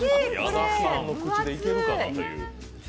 矢田さんの口でいけるかなという。